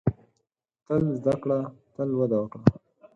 • تل زده کړه، تل وده وکړه.